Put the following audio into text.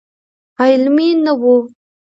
علمي نه و.